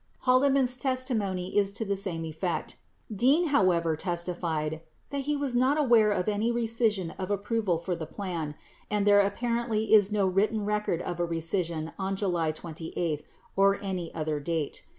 Haldeman's testimony is to the same effect. 26 Dean, however, testified that he was not aware of any recision of approval for the plan 27 and there apparently is no written record of a recision on July 28 or any other date.